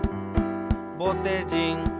「ぼてじん」